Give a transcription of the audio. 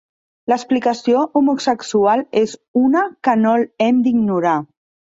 L'explicació homosexual és una que no hem d'ignorar.